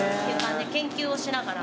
研究をしながら。